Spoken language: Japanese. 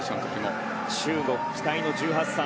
中国、期待の１８歳。